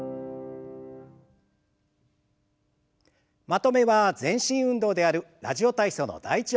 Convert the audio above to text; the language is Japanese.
まとめは全身運動である「ラジオ体操」の「第１」を行います。